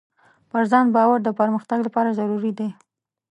پر ځان باور د پرمختګ لپاره ضروري دی.